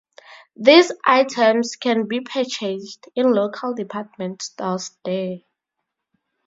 These items can be purchased in local department stores there.